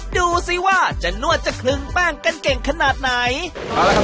ดูสิว่าจะนวดจะคลึงแป้งกันเก่งขนาดไหน